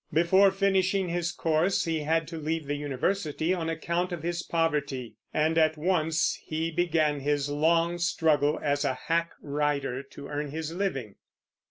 Before finishing his course he had to leave the university on account of his poverty, and at once he began his long struggle as a hack writer to earn his living.